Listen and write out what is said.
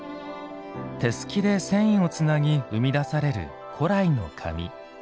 手すきで繊維をつなぎ生み出される古来の紙。